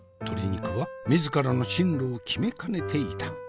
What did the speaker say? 鶏肉は自らの進路を決めかねていた。